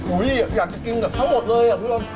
อุ๊ยอยากจะกินกับเขาหมดเลย